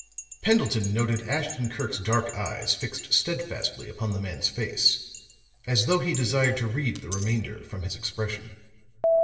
Pendleton noted Ashton Kirk's dark eyes fixed steadfastly upon the man's face as though he desired to read the remainder from his expression.